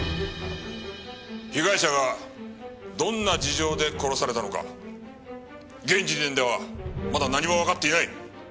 被害者がどんな事情で殺されたのか現時点ではまだ何もわかっていない。